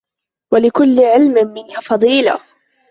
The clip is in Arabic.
وَلِكُلِّ عِلْمٍ مِنْهَا فَضِيلَةٌ